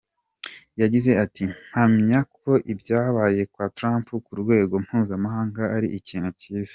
Yagize ati “Mpamya ko ibyabaye kwa Trump ku rwego mpuzamahanga ari ikintu cyiza.